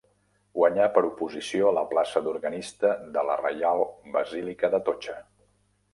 Guanyà per oposició la plaça d'organista de la Reial Basílica d'Atocha.